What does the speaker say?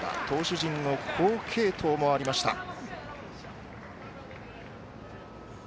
投手陣の好継投もありました。